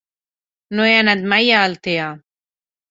No he anat mai a Altea.